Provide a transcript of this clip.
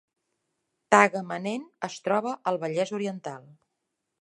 Tagamanent es troba al Vallès Oriental